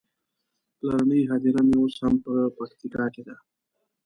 پلرنۍ هديره مې اوس هم په پکتيکا کې ده.